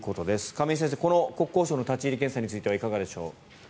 亀井先生、国交省の立ち入り検査についてはいかがでしょう？